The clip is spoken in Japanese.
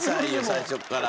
最初から。